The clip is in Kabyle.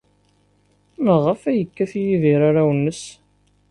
Maɣef ay yekkat Yidir arraw-nnes?